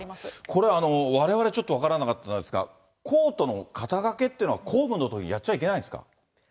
これ、われわれちょっと分からなかったんですが、コートの肩掛けっていうのは、公務のときやっちゃいけないんですか。